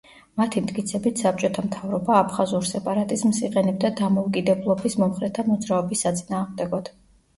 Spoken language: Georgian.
მათი მტკიცებით საბჭოთა მთავრობა აფხაზურ სეპარატიზმს იყენებდა დამოუკიდებლობის მომხრეთა მოძრაობის საწინააღმდეგოდ.